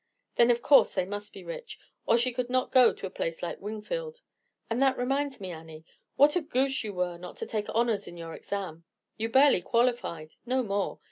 "Then, of course, they must be rich, or she could not go to a place like Wingfield. And that reminds me, Annie, what a goose you were not to take honors in your exam. You barely qualified—no more.